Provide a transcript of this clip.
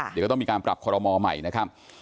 เดี๋ยวก็ต้องมีการปรับคอรมอลใหม่นะครับ